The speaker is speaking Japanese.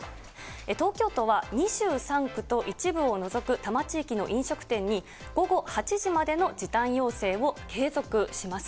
東京都は２３区と一部を除く多摩地域の飲食店に、午後８時までの時短要請を継続します。